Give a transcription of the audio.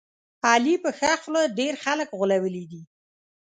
علي په ښه خوله ډېر خلک غولولي دي.